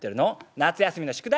「夏休みの宿題？」。